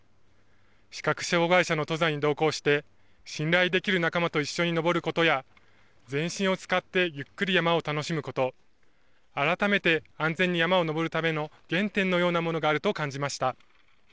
視覚障害者の登山に同行して、信頼できる仲間と一緒に登ることや、全身を使ってゆっくり山を楽しむこと、改めて安全に山を登るための原点のようなものがあると感じました。